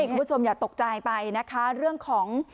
คุณผู้ชมอย่าตกใจไปนะคะเรื่องของ